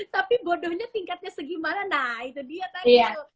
tapi bodohnya tingkatnya segimana nah itu dia tadi